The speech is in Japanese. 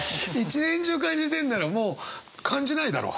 １年中感じてんならもう感じないだろ。